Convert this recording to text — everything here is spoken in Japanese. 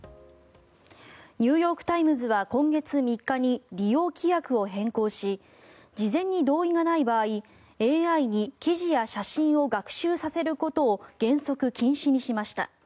ニューヨーク・タイムズは今月３日に利用規約を変更し事前に同意がない場合ＡＩに記事や写真を学習させることを原則禁止にしました。